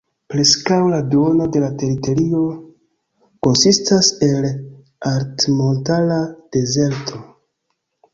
Preskaŭ la duono de la teritorio konsistas el altmontara dezerto.